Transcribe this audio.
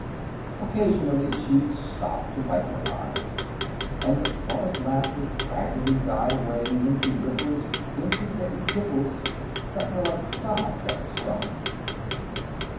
Occasionally she stopped to wipe her eyes, and the flood of laughter gradually died away into ripples of intermittent giggles that were like sobs after sorrow.